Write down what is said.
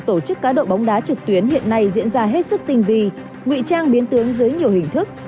tổ chức cá độ bóng đá trực tuyến hiện nay diễn ra hết sức tinh vi nguy trang biến tướng dưới nhiều hình thức